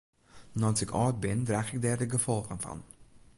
No't ik âld bin draach ik dêr de gefolgen fan.